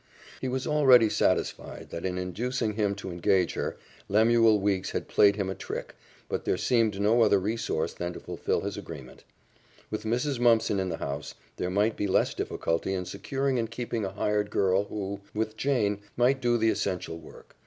He was already satisfied that in inducing him to engage her, Lemuel Weeks had played him a trick, but there seemed no other resource than to fulfill his agreement. With Mrs. Mumpson in the house, there might be less difficulty in securing and keeping a hired girl who, with Jane, might do the essential work.